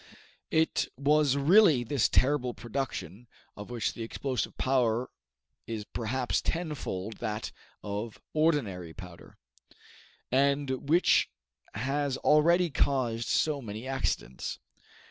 It was really this terrible production, of which the explosive power is perhaps tenfold that of ordinary powder, and which has already caused so many accidents.